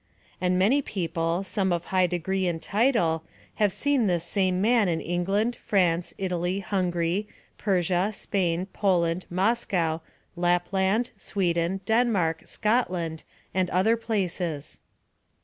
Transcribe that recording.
And many people, some of high degree and title, have seen this same man in England, France, Italy, Hungary, Persia, Spain, Poland, Moscow, Lapland, Sweden, Denmark, Scotland, and other places.